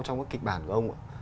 trong cái kịch bản của ông ạ